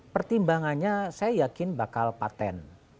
pertimbangannya saya yakin bakal paten